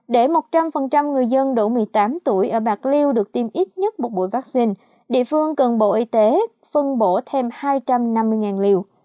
để một trăm linh người dân đủ một mươi tám tuổi ở bạc liêu được tiêm ít nhất một buổi vaccine địa phương cần bộ y tế phân bổ thêm hai trăm năm mươi liều